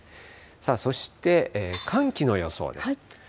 そして寒気の予想です。